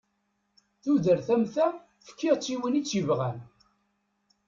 Tudert am ta, fkiɣ-tt i win i tt-yebɣan.